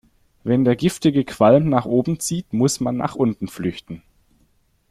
Wenn der giftige Qualm nach oben zieht, muss man nach unten flüchten.